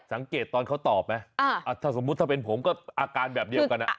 สังเกตตอนเขาตอบไหมถ้าสมมุติถ้าเป็นผมก็อาการแบบเดียวกัน